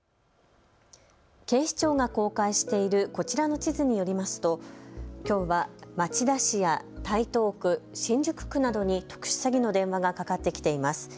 警視庁が公開しているこちらの地図によりますときょうは町田市や台東区、新宿区などに特殊詐欺の電話がかかってきています。